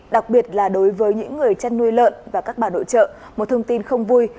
đặc biệt là đối với những người chăn nuôi lợn và các bà nội trợ một thông tin không vui